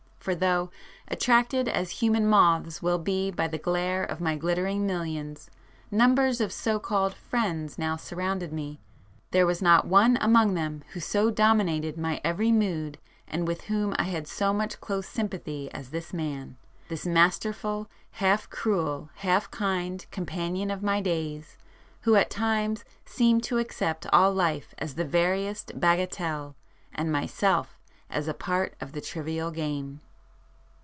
For though, attracted as human moths will be by the glare of my glittering millions, numbers of so called 'friends' now surrounded me, there was not one among them who so dominated [p 84] my every mood and with whom I had so much close sympathy as this man,—this masterful, half cruel, half kind companion of my days, who at times seemed to accept all life as the veriest bagatelle, and myself as a part of the trivial game.